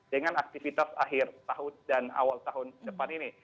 dengan aktivitas akhir tahun dan awal tahun depan ini